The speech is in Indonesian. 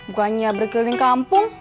bukannya berkeliling kampung